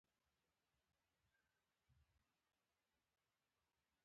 آيـا دا مـنطـقـي او سـمـه لاره ده.